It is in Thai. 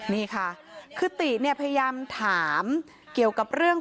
นี่ค่ะคือติเนี่ยพยายามถามเกี่ยวกับเรื่อง